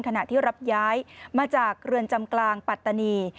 ขณะที่รับย้ายมาจากเรือนจำกลางปัตตานี